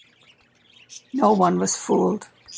No one was fooled.